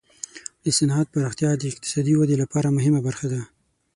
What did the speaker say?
د صنعت پراختیا د اقتصادي ودې لپاره مهمه برخه ده.